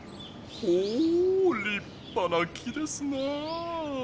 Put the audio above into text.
ほりっぱな木ですなあ！